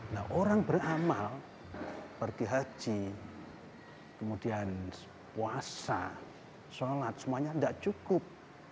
nah orang beramal pergi haji kemudian puasa sholat semuanya tidak cukup